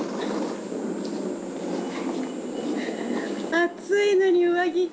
暑いのに上着。